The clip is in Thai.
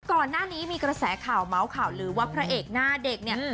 ก่อนหน้านี้มีกระแสข่าวเมาส์ข่าวลือว่าพระเอกหน้าเด็กเนี่ย